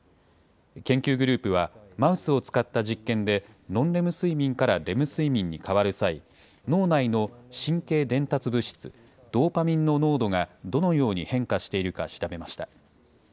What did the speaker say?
研究グループは、マウスを使った実験で、ノンレム睡眠からレム睡眠に変わる際、脳内の神経伝達物質、ドーパミンの濃度がどのように変化しているか調べました。